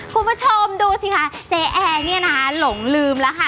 คุณผู้ชมดูสิคะเจ๊แอร์เนี่ยนะคะหลงลืมแล้วค่ะ